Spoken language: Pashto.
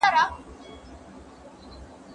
د ورځې وخت د وینې شکر کنټرول کې مهم دی.